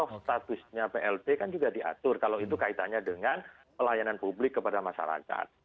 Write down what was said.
statusnya plt kan juga diatur kalau itu kaitannya dengan pelayanan publik kepada masyarakat